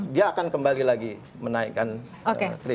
dia akan kembali lagi menaikkan